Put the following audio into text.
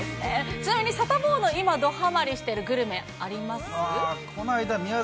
ちなみにサタボーの今どはまりしているグルメ、あります？